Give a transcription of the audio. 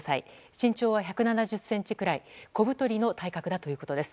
身長は１７０ｃｍくらい小太りの体格だということです。